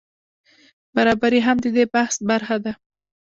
برابري هم د دې بحث برخه ده.